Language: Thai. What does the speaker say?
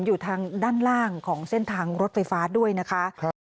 อยู่ทางด้านล่างของเส้นทางรถไฟฟ้าด้วยนะคะ